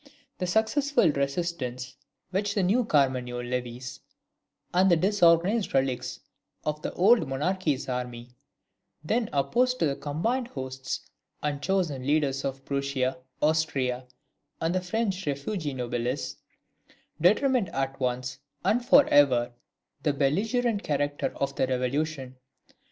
The successful resistance, which the new Carmagnole levies, and the disorganized relics of the old monarchy's army, then opposed to the combined hosts and chosen leaders of Prussia, Austria, and the French refugee noblesse, determined at once and for ever the belligerent character of the revolution.